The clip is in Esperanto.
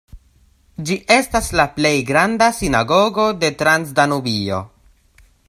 Ĝi estas la plej granda sinagogo de Transdanubio.